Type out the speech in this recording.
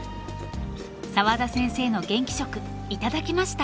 澤田先生の元気食頂きました！